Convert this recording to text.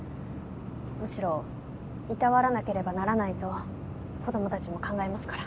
むしろいたわらなければならないと子どもたちも考えますから。